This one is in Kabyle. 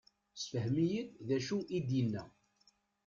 Sefhem-iyi-d d acu i d-inna.